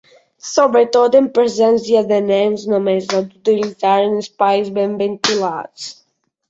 Sobretot en presència de nens, només s'ha d'utilitzar en espais ben ventilats.